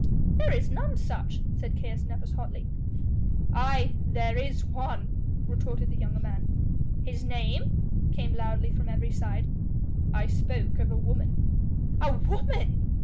"There is none such," said Caius Nepos hotly. "Aye! there is one," retorted the younger man. "His name?" came loudly from every side. "I spoke of a woman." "A woman!"